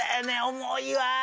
重いわ！